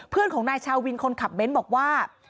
เพื่อนของนายชาววินคนขับเบ้นบอกว่า